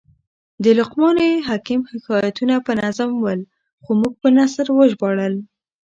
د لقمان حکم حکایتونه په نظم ول؛ خو موږ په نثر وژباړل.